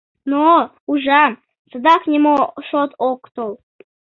Но, ужам, садак нимо шот ок тол.